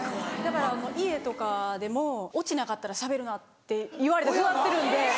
だから家とかでもオチなかったらしゃべるなって言われて育ってるんで。